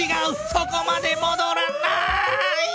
そこまでもどらない！